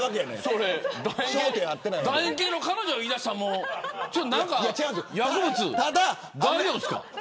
楕円形の彼女って言い出したら薬物、大丈夫ですか。